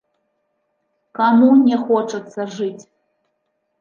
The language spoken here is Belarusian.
Каму не хочацца жыць?